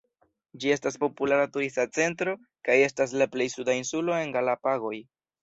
Ĝi estas populara turista centro, kaj estas la plej suda insulo en Galapagoj.